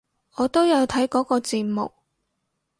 我都有睇嗰個節目！